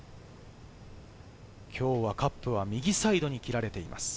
今日はカップは右サイドに切られています。